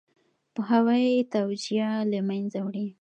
پوهاوی توجیه له منځه وړي.